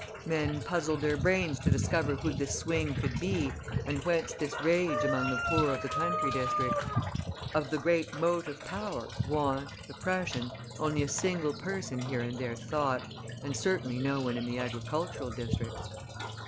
Men puzzled their brains to discover who this Swing could be and whence this rage among the poor of the country districts. Of the great motive power, Want, Oppression, only a single person here and there thought, and certainly no one in the agricultural districts.